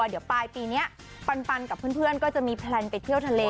เดี๋ยวปลายปีนี้ปันกับเพื่อนก็จะมีแพลนไปเที่ยวทะเล